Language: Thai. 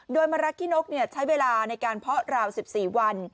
โดยมะรักขี้นกใช้เวลาในการเพาะราว๑๔วัน